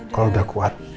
kalau sudah kuat